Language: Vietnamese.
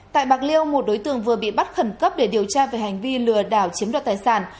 tại bạc liêu một đối tượng vừa bị bắt khẩn cấp để điều tra về hành vi lừa đảo chiếm đoạt tài sản